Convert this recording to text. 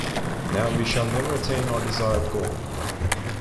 Now we shall never attain our desired goal.